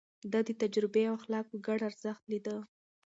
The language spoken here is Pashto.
ده د تجربې او اخلاقو ګډ ارزښت ليده.